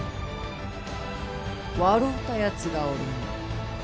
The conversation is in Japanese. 笑うたやつがおるの。